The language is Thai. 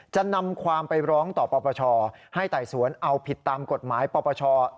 จะนำความไปร้องต่อปปชให้ไต่สวนเอาผิดตามกฎหมายปปช